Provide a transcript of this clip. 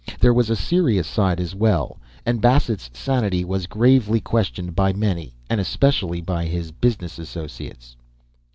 There was a serious side as well, and Bassett's sanity was gravely questioned by many, and especially by his business associates.